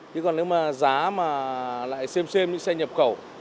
chứ còn nếu mà giá mà lại xêm xêm những xe nhập khẩu